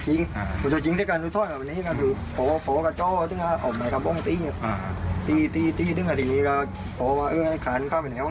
ให้ใครขาดเข้าไปครับนาธรรมครับขาดไปไปอยู่นั่ง